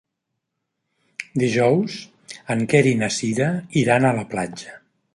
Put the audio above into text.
Dijous en Quer i na Cira iran a la platja.